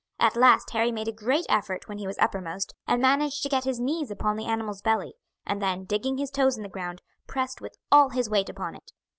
At last Harry made a great effort when he was uppermost, and managed to get his knees upon the animal's belly, and then, digging his toes in the ground, pressed with all his weight upon it.